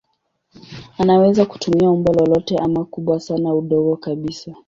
Anaweza kutumia umbo lolote ama kubwa sana au dogo kabisa.